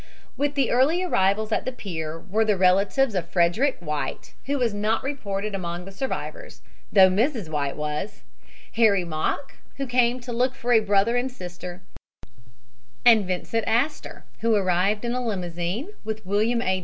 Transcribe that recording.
With the early arrivals at the pier were the relatives of Frederick White, who was not reported among the survivors, though Mrs. White was; Harry Mock, who came to look for a brother and sister; and Vincent Astor, who arrived in a limousine with William A.